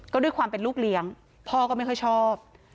ก็ด้วยความเป็นลูกเลี้ยงพ่อก็ไม่ค่อยชอบ